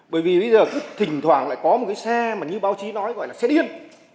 bởi vì bây giờ cứ thỉnh thoảng lại có một cái xe mà như báo chí nói gọi là xe điên